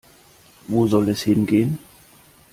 Wo soll es hingehen?